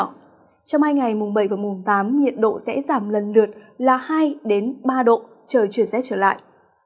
trong hai ngày mùng bảy và mùng tám nhiệt độ sẽ giảm lần lượt là hai ba độ trời chuyển rét trở lại